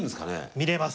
見れます！